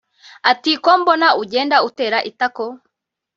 ati “Ko mbona ugenda utera itako